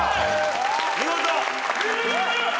見事！